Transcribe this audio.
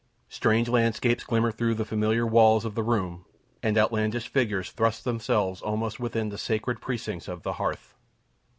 Strange landscapes glimmer through the familiar walls of the room, and outlandish figures thrust themselves almost within the sacred precincts of the hearth.